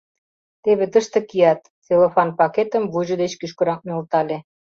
Теве тыште кият, — целлофан пакетым вуйжо деч кӱшкырак нӧлтале.